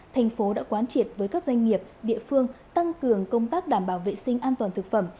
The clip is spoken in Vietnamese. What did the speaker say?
thành phố đã quán triệt với các doanh nghiệp địa phương tăng cường công tác đảm bảo vệ sinh an toàn thực phẩm